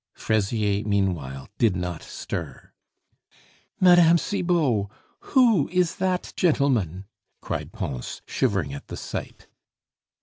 Fraisier meanwhile did not stir. "Mme. Cibot! who is that gentleman?" cried Pons, shivering at the sight.